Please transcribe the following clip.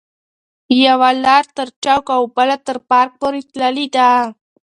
یوه لار تر چوک او بله تر پارک پورې تللې ده.